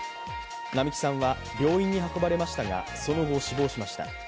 並木さんは病院に運ばれましたがその後死亡しました。